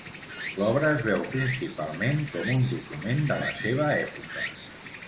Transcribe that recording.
L'obra es veu principalment com un document de la seva època.